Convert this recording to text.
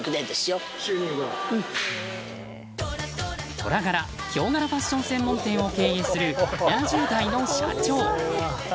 トラ柄・ヒョウ柄ファッション専門店を経営する７０代の社長。